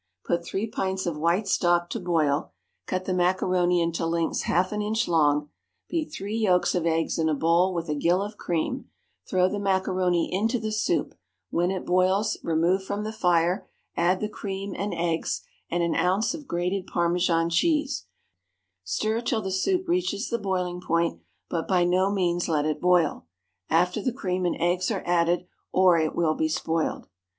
Put three pints of white stock to boil; cut the macaroni into lengths half an inch long; beat three yolks of eggs in a bowl with a gill of cream; throw the macaroni into the soup; when it boils, remove from the fire, add the cream and eggs and an ounce of grated Parmesan cheese; stir till the soup reaches the boiling point, but by no means let it boil, after the cream and eggs are added, or it will be spoiled.